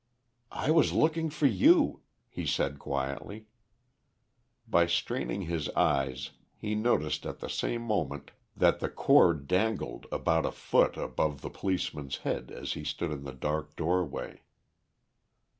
"I was looking for you," he said quietly. By straining his eyes he noticed at the same moment that the cord dangled about a foot above the policeman's head, as he stood in the dark doorway.